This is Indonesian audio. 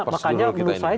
maka menurut saya